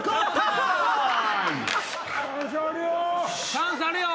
チャンスあるよ！